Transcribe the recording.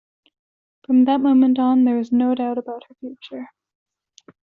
From that moment on, there was no doubt about her future.